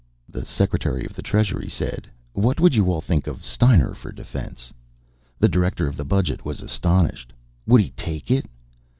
The Secretary of the Treasury said: "What would you all think of Steiner for Defense?" The Director of the Budget was astonished. "Would he take it?"